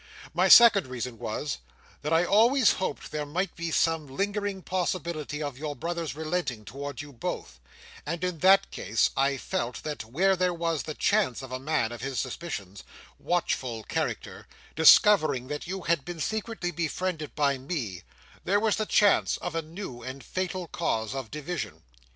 My second reason was, that I always hoped there might be some lingering possibility of your brother's relenting towards you both; and in that case, I felt that where there was the chance of a man of his suspicious, watchful character, discovering that you had been secretly befriended by me, there was the chance of a new and fatal cause of division.